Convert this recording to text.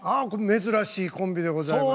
珍しいコンビでございます。